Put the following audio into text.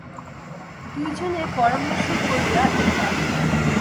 দুইজনে পরামর্শ করিয়া এই কাজ।